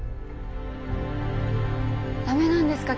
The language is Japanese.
駄目なんですか？